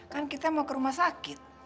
kan kita mau ke rumah sakit